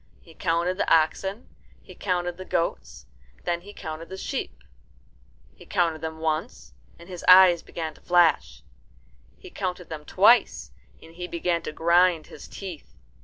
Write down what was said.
He counted the oxen, he counted the goats, and then he counted the sheep. He counted them once, and his eyes began to flash. He counted them twice, and he began to grind his teeth.